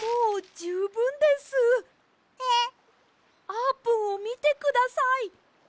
あーぷんをみてください。